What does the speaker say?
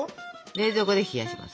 冷蔵庫で冷やします。